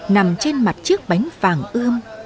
nằm trên mặt chiếc bánh vàng ươm